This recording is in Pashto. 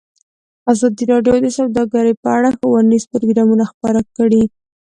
ازادي راډیو د سوداګري په اړه ښوونیز پروګرامونه خپاره کړي.